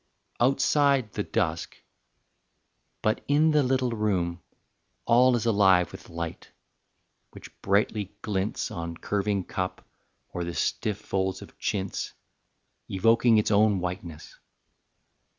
XI. Outside the dusk, but in the little room All is alive with light, which brightly glints On curving cup or the stiff folds of chintz, Evoking its own whiteness.